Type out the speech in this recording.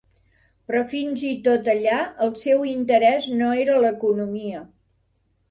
Però fins i tot allà el seu interès no era l'economia.